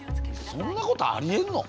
そんなことありえんの？